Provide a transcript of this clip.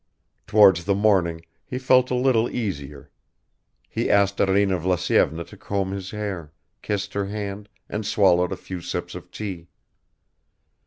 Towards the morning he felt a little easier. He asked Arina Vlasyevna to comb his hair, kissed her hand and swallowed a few sips of tea.